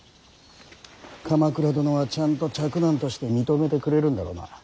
鎌倉殿はちゃんと嫡男として認めてくれるんだろうな。